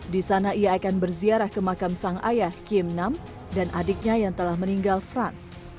di sana ia akan berziarah ke makam sang ayah kim nam dan adiknya yang telah meninggal franz